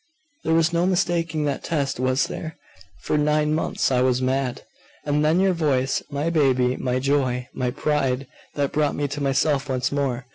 'There was no mistaking that test, was there?.... For nine months I was mad. And then your voice, my baby, my joy, my pride that brought me to myself once more!